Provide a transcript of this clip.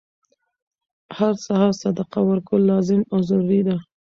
هر سهار صدقه ورکول لازم او ضروري ده،